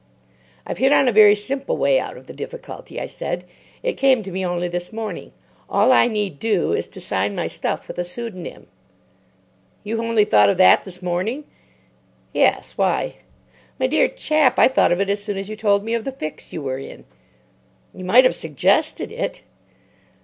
"I've hit on a very simple way out of the difficulty," I said. "It came to me only this morning. All I need do is to sign my stuff with a pseudonym." "You only thought of that this morning?" "Yes. Why?" "My dear chap, I thought of it as soon as you told me of the fix you were in." "You might have suggested it."